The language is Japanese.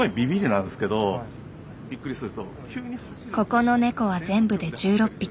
ここのネコは全部で１６匹。